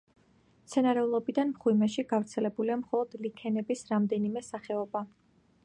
მცენარეულობიდან მღვიმეში გავრცელებულია მხოლოდ ლიქენების რამდენიმე სახეობა.